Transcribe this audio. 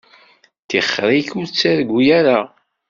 Tixeṛ-ik ur ttargu ara.